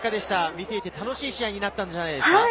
見ていて楽しい試合になったんじゃないですか？